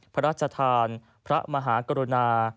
พระราชทานพระมหากรุณา